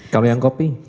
kalau yang kopi